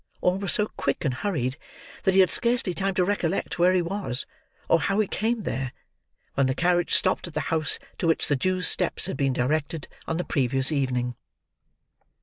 All was so quick and hurried, that he had scarcely time to recollect where he was, or how he came there, when the carriage stopped at the house to which the Jew's steps had been directed on the previous evening.